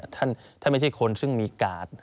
ท่านไม่ใช่คนซึ่งมีกาด